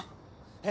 え？